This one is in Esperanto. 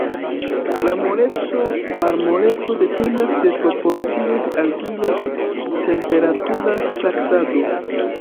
La moleco-malmoleco dependas de proporcio de argilo, temperatura traktado.